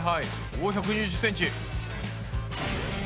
お１２０ｃｍ。